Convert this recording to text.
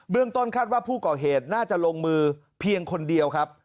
เรื่องต้นคาดว่าผู้ก่อเหตุน่าจะลงมือเพียงคนเดียวครับ